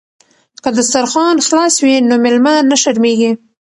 که دسترخوان خلاص وي نو میلمه نه شرمیږي.